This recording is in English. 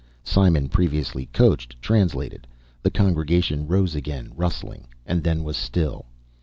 Simon, previously coached, translated. The congregation rose again, rustling, and then was still.